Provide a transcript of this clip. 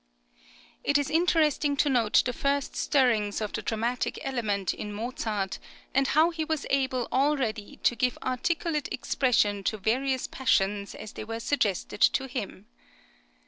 It is interesting to note the first stirrings of the dramatic element in Mozart, and how he was able already to give articulate expression to various passions as they were suggested to him.